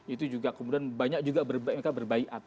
itu juga kemudian banyak juga mereka berbaikat